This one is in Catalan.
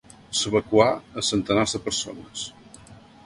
S'evacuà a centenars de persones.